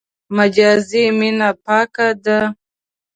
مجازي مینه پاکه ده.